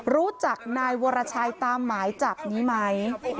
รู้จักนายวรชัยตามหมายจับนี้ไหม